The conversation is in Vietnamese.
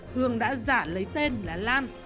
hương đã giả lấy tên là lan